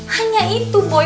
hanya itu boy